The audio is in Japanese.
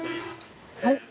はい！